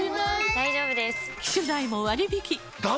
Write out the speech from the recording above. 大丈夫です！